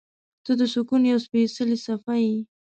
• ته د سکون یوه سپېڅلې څپه یې.